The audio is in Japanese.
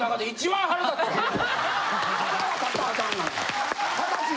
腹立ったらあかんがな。